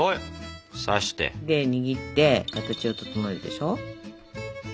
で握って形を整えるでしょ。